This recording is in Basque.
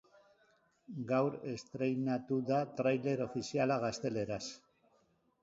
Gaur estreinatu da trailer ofiziala gazteleraz.